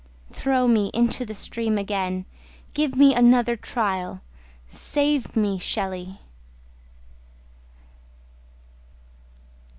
Throw me into the stream again, Give me another trial— Save me, Shelley!